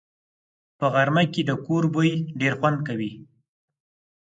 په غرمه کې د کور بوی ډېر خوند کوي